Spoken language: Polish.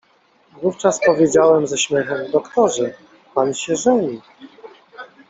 Wówczas powiedziałam ze śmiechem: „Doktorze, pan się żeni!”.